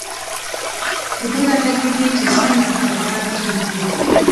په دې لټه کې دي چې څنګه خپل قدرت ټینګ کړي.